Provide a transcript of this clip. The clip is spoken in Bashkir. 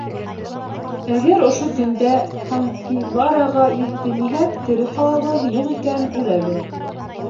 Әгәр ошо төндә Кһанһивараға еттениһәк, тере ҡалабыҙ, юҡ икән — үләбеҙ.